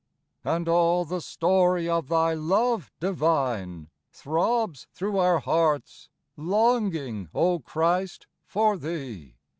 " And all the story of Thy love divine Throbs through our hearts, longing, O Christ, for Thee